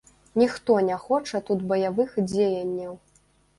Ніхто не хоча тут баявых дзеянняў.